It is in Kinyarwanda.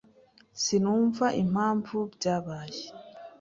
Sinumva impamvu byabaye.